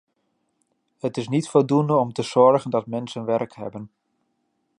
Het is niet voldoende om te zorgen dat mensen werk hebben.